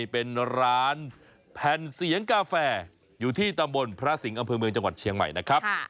เป็นร้านแผ่นเสียงกาแฟอยู่ที่ตำบลพระสิงห์อำเภอเมืองจังหวัดเชียงใหม่นะครับ